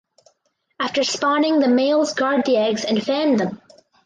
After spawning the males guard the eggs and fan them.